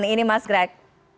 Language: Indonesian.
ini mas grek